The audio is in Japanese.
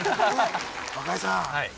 若井さん